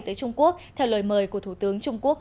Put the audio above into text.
tới trung quốc theo lời mời của thủ tướng trung quốc